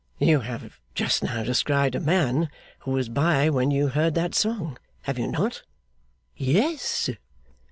'You have just now described a man who was by when you heard that song; have you not?' 'Yes!